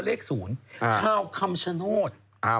ปลาหมึกแท้เต่าทองอร่อยทั้งชนิดเส้นบดเต็มตัว